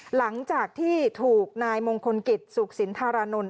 หลังจากที่ถูกนายมงคลกิจสุขสินธารานนท์